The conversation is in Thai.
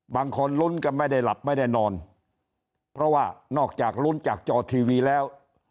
บางคนลุ้นกันไม่ได้หลับไม่ได้นอนเพราะว่านอกจากลุ้นจากจอทีวีแล้ว